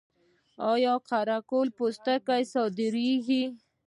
آیا د قره قل پوستکي صادریږي؟